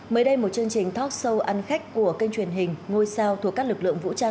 mới đây một chương trình talk show ăn khách của kênh truyền hình ngôi sao thuộc các lực lượng vũ trang